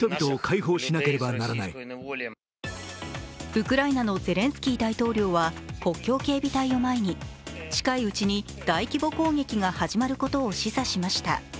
ウクライナのゼレンスキー大統領は国境警備隊を前に近いうちに大規模攻撃が始まることを示唆しました。